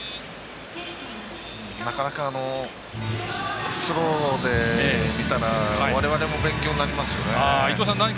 なかなかスローで見たらわれわれも勉強になりますよね。